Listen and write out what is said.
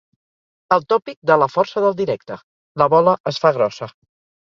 El tòpic de ‘la força del directe’, la bola es fa grossa.